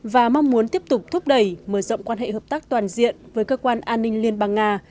và mong muốn tiếp tục thúc đẩy mở rộng quan hệ hợp tác toàn diện với cơ quan an ninh liên bang nga